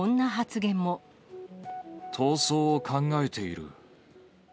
逃走を考えている。